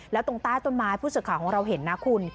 แล้วตรงใต้ต้นไม้ผู้สื่อข่าวของเราเห็นนะคุณ